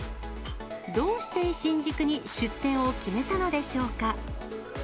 どうして新宿に出店を決めたのでしょうか。